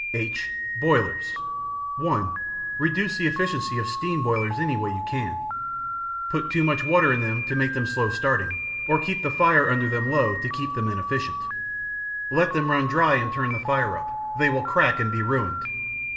(h) Boilers (1) Reduce the efficiency of steam boilers any way you can. Put too much water in them to make them slow starting, or keep the fire under them low to keep them inefficient. Let them dry and turn the fire up; they will crack and be ruined.